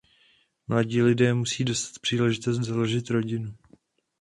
Mladí lidé musí dostat příležitost založit rodinu.